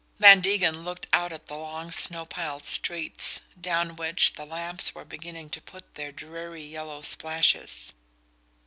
Van Degen looked out at the long snow piled streets, down which the lamps were beginning to put their dreary yellow splashes.